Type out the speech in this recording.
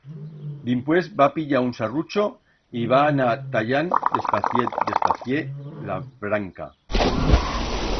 Dimpués, va pillar un sarrucho y va anar talland despaciet-despaciet la branca.